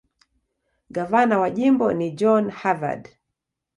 Gavana wa jimbo ni John Harvard.